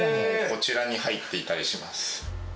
こちらに入っていたりします。